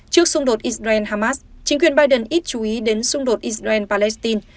trước xung đột israel hamas chính quyền biden ít chú ý đến xung đột israel palestine